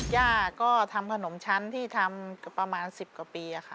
ย่าก็ทำขนมชั้นที่ทำประมาณ๑๐กว่าปีค่ะ